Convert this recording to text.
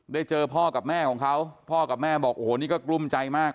เจอพ่อกับแม่ของเขาพ่อกับแม่บอกโอ้โหนี่ก็กลุ้มใจมาก